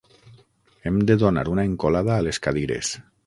Hem de donar una encolada a les cadires.